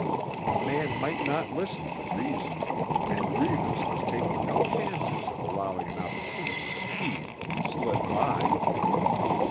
The man might not listen to reason, and Reivers was taking no chances of allowing an opportunity to feed to slip by.